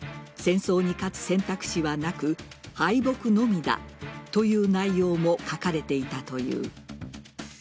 戦争に勝つ選択肢はなく敗北のみだという内容も書かれていたという。